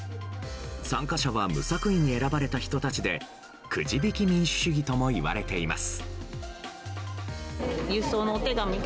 参加者は無作為に選ばれた人たちでくじ引き民主主義とも呼ばれています。